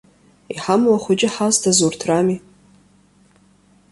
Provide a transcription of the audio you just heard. Иҳамоу ахәыҷы ҳазҭаз урҭ рами.